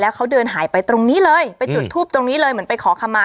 เขาเดินหายไปตรงนี้เลยไปจุดทูปตรงนี้เลยเหมือนไปขอคำมา